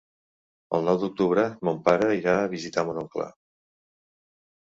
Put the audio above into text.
El nou d'octubre mon pare irà a visitar mon oncle.